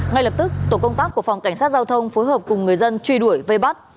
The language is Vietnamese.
ngay lập tức tổ công tác của phòng cảnh sát giao thông phối hợp cùng người dân truy đuổi vây bắt